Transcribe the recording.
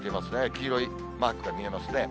黄色いマークが見えますね。